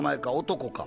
男か？」